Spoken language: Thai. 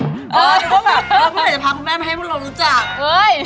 เราต้องไปพักคุณแม่มาให้พวกเรารู้จัก